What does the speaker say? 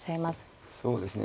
そうですね